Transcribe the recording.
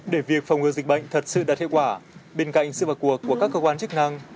để việc phòng ngừa dịch bệnh thật sự đạt hiệu quả bên cạnh sự vào cuộc của các cơ quan chức năng